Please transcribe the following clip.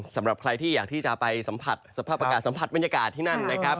สำหรับใครที่อยากที่จะไปสัมผัสสภาพอากาศสัมผัสบรรยากาศที่นั่นนะครับ